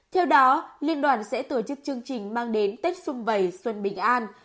theo đó liên đoàn sẽ tổ chức chương trình mang đến tết xuân vầy xuân bình an